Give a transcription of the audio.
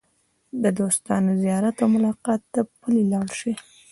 د دوستانو زیارت او ملاقات ته پلي لاړ شئ.